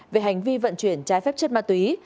về hành vi vận chuyển trái phép chất ma túy